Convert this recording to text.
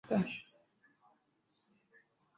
Alisema lazima niende, lakini mwishowe nilikaa